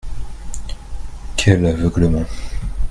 Quel aveuglement.